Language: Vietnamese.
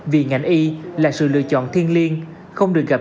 vì ngành y là sự lựa chọn thiên liêng không được gặp gia đình